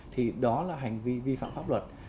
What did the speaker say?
thì đó là hành vi vi phạm pháp luật